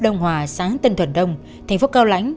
đông hòa sáng tân thuần đông thành phố cao lãnh